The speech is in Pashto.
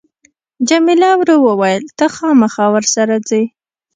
جميله ورو وویل ته خامخا ورسره ځې.